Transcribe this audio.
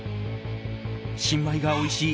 新米がおいしい